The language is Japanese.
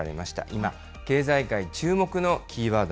今、経済界注目のキーワード